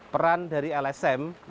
peran dari lsm